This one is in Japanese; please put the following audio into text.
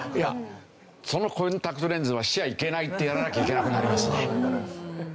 そのコンタクトレンズはしちゃいけないってやらなきゃいけなくなりますね。